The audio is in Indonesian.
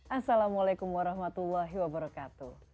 assalamualaikum warahmatullahi wabarakatuh